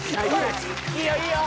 いいよいいよ。